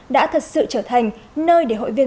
đã thật sự trở thành nơi để hội viên